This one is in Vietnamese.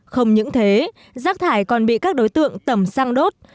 không những thế rác thải còn bị các đối tượng tẩm xăng đốt